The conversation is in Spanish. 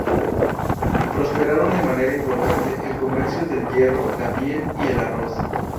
Prosperaron de manera importante el comercio del hierro, la piel y el arroz.